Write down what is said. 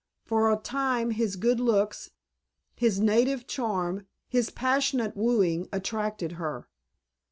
For a time his good looks, his native charm, his passionate wooing attracted her.